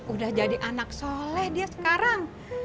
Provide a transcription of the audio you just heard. udah jadi anak soleh dia sekarang